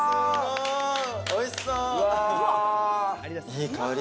いい香り。